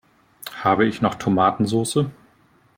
Habe ich noch Tomatensoße?